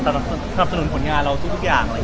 สนับสนุนผลงานเราทุกอย่าง